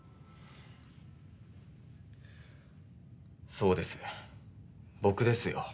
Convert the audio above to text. そうです僕ですよ。